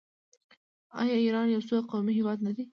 آیا ایران یو څو قومي هیواد نه دی؟